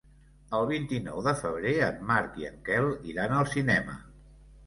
El vint-i-nou de febrer en Marc i en Quel iran al cinema.